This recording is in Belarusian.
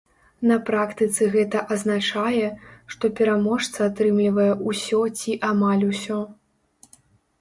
На практыцы гэта азначае, што пераможца атрымлівае ўсё ці амаль усё.